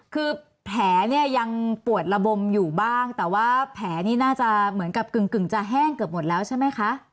คือแผลเนี่ยยังปวดระบมอยู่บ้างแต่ว่าแผลนี่น่าจะเหมือนกับกึ่งจะแห้งเกือบหมดแล้วใช่ไหมคะ